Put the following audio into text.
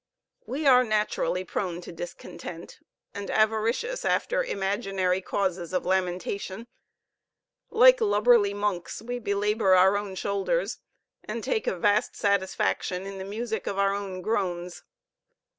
We are naturally prone to discontent, and avaricious after imaginary causes of lamentation. Like lubberly monks, we belabor our own shoulders, and take a vast satisfaction in the music of our own groans.